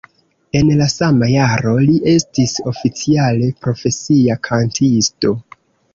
En la sama jaro li estis oficiale profesia kantisto.